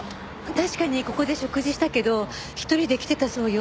確かにここで食事したけど一人で来てたそうよ。